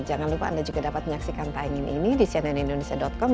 jangan lupa anda juga dapat menyaksikan tayangan ini di cnnindonesia com